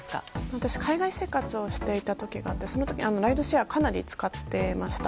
私、海外生活をしていた時があってその時ライドシェアをかなり使っていました。